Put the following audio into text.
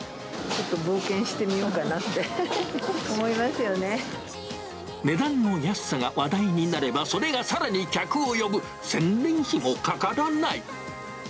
ちょっと冒険してみようかな値段の安さが話題になれば、それがさらに客を呼ぶ、宣伝費もかからない。